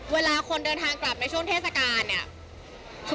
เวลาคนเดินทางกลับในช่วงเทศกาลเนี่ย